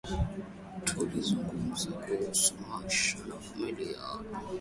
Tulizungumza kuhusu maisha ya familia